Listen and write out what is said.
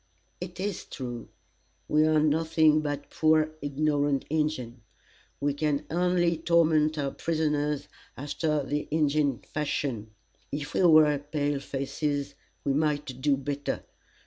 "It is true. We are nothing but poor, ignorant Injins. We can only torment our prisoners after Injin fashion. If we were pale faces, we might do better.